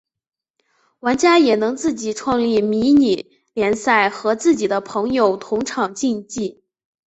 玩家也能自己创立迷你联赛和自己的朋友同场竞技。